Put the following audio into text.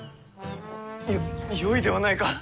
よよいではないか。